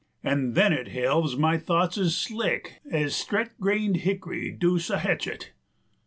30 An' then it helves my thoughts ez slick Ez stret grained hickory doos a hetchet.